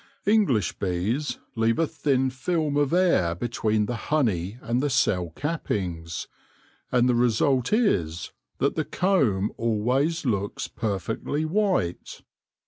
English bees leave a thin film of air between the honey and the cell cappings, and the result is that the comb always looks perfectly white.